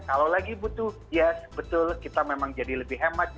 kalau lagi butuh yes betul kita memang jadi lebih hemat